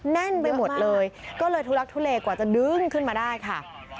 แน่นไปหมดเลยก็เลยทุลักทุเลกว่าจะดึงขึ้นมาได้ค่ะ